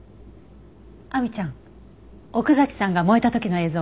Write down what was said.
亜美ちゃん奥崎さんが燃えた時の映像見せて。